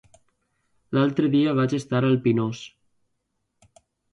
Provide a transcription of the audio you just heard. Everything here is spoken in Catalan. L'altre dia vaig estar al Pinós.